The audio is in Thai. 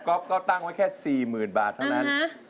ก็ตั้งไว้แค่๔๐๐๐บาทเท่านั้น